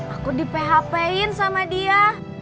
aku di php in sama dia